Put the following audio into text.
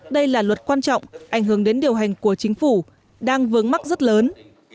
đây là luật quan trọng ảnh hưởng đến điều hành của chính phủ đang vướng mắt rất lớn